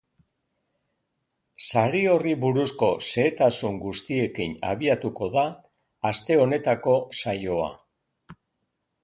Sari horri buruzko xehetasun guztiekin abiatuko da aste honetako saioa.